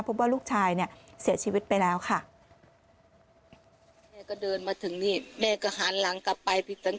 พบว่าลูกชายเนี่ยเสียชีวิตไปแล้วค่ะ